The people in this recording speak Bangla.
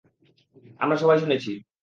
আমরা সবাই শুনেছি।